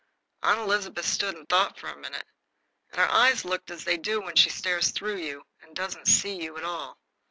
Aunt Elizabeth stood and thought for a minute, and her eyes looked as they do when she stares through you and doesn't see you at all.